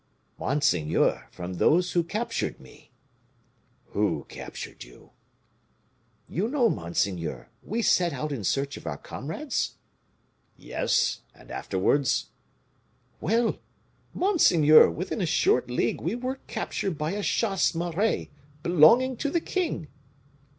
"Monseigneur, from those who captured me." "Who captured you?" "You know, monseigneur, we set out in search of our comrades?" "Yes; and afterwards?" "Well! monseigneur, within a short league we were captured by a chasse maree belonging to the king."